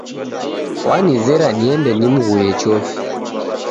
Wanizera niende nimghuye chofi.